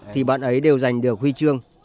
thì bạn ấy đều giành được huy chương